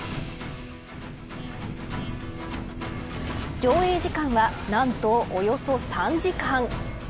上映時間は何と、およそ３時間。